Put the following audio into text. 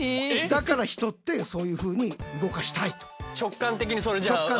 だから人ってそういうふうに動かしたいと。